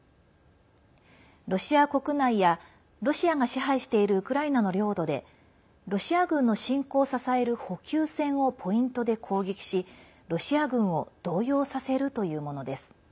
ロシア国内や、ロシアが支配しているウクライナの領土でロシア軍の侵攻を支える補給線をポイントで攻撃しロシア軍を動揺させるというものです。